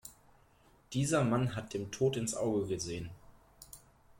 Dieser Mann hat dem Tod ins Auge gesehen.